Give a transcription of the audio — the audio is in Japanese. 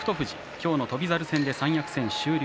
今日の翔猿戦で三役戦終了。